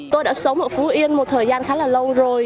tôi đã sống ở phú yên một thời gian khá là lâu rồi